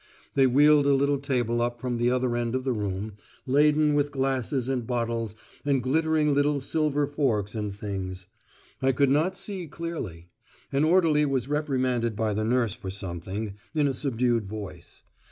They wheeled a little table up from the other end of the room, laden with glasses and bottles and glittering little silver forks and things. I could not see clearly. An orderly was reprimanded by the nurse for something, in a subdued voice.